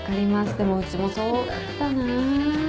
でもうちもそうだったな。